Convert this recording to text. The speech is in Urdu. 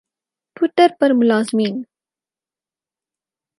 ٹوئٹر پر ملازمین